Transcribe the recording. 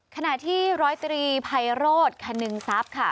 ขณะที่๑๐๓ภัยโรศคณึงทรัพย์ค่ะ